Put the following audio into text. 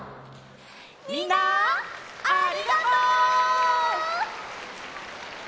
みんなありがとう！